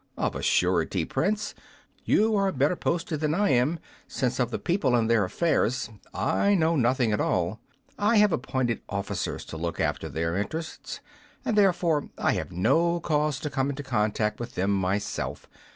Of a surety, Prince, you are better posted than am I, since of the people and their affairs I know nothing at all. I have appointed officers to look after their interests, and therefore I have no cause to come into contact with them myself.